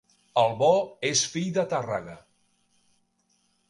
El bo és fill de Tàrrega.